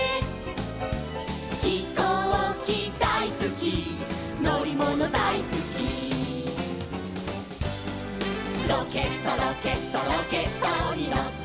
「ひこうきだいすきのりものだいすき」「ロケットロケットロケットにのって」